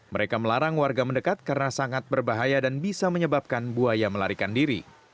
mereka melarang warga mendekat karena sangat berbahaya dan bisa menyebabkan buaya melarikan diri